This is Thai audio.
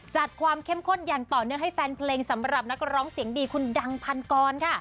จัดความเข้มข้นอย่างต่อเนื่องให้แฟนเพลงสำหรับนักร้องเสียงดีคุณดังพันกรค่ะ